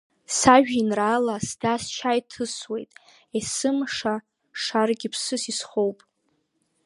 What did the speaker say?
Сажәеинраала сда-сшьа иҭысуеит, есымша шаргьы ԥсыс исхоуп.